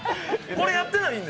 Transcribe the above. これやってないんで。